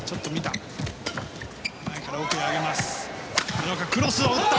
奈良岡、クロスを打った！